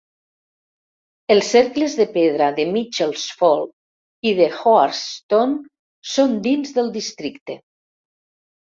Els cercles de pedra de Mitchell's Fold i de Hoarstones són dins del districte.